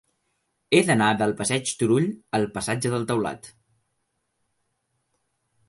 He d'anar del passeig de Turull al passatge del Taulat.